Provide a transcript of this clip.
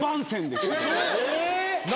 え！